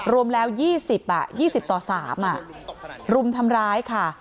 รวมแล้ว๒๐๒๐ต่อ๓รุมทำร้ายค่ะ